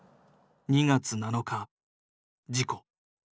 ２月７日事故。